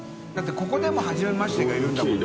ここでも「はじめまして」がいるんだもんね。